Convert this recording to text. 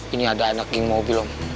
ini ada anak geng mobil om